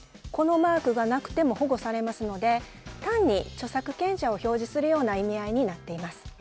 このマークがなくても保護されますので単に著作権者を表示するような意味合いになっています。